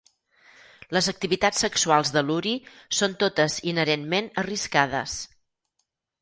Les activitats sexuals de Lurie són totes inherentment arriscades.